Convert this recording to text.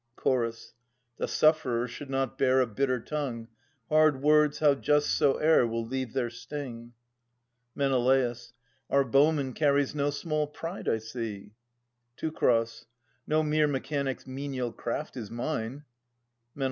Ch. The sufferer should not bear a bitter tongue. Hard words, how just soe'er, will leave their sting. Men. Our bowman carries no small pride, I see. Teu. No mere mechanic's menial craft is mine. Men.